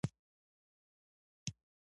یرغل پاتې شو.